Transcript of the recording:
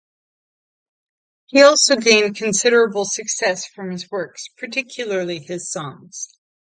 He also gained considerable success from his works, particularly his songs.